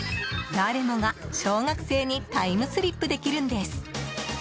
誰もが、小学生にタイムスリップできるんです。